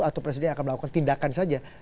atau presiden akan melakukan tindakan saja